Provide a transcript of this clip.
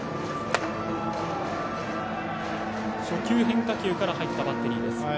初球、変化球から入ってきたバッテリー。